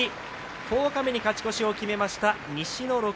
十日目に勝ち越しを決めました。